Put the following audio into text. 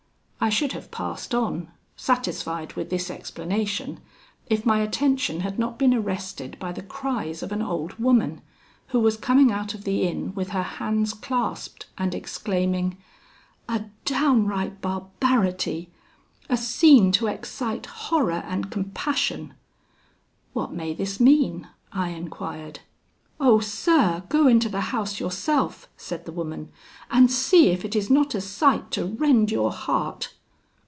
I should have passed on, satisfied with this explanation, if my attention had not been arrested by the cries of an old woman, who was coming out of the inn with her hands clasped, and exclaiming: "A downright barbarity! A scene to excite horror and compassion!" "What may this mean?" I enquired. "Oh! sir; go into the house yourself," said the woman, "and see if it is not a sight to rend your heart!"